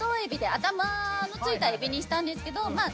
頭の付いたエビにしたんですけどまあなくても。